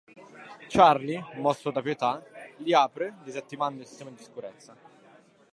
Charlie, mosso da pietà, gli apre, disattivando il sistema di sicurezza.